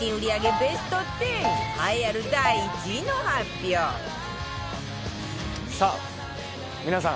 ベスト１０栄えある第１位の発表さあ皆さん